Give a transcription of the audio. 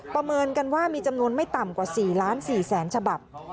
ประเมินกันว่ามีจำนวนไม่ต่ำกว่า๔๔๐๐๐ฉบับ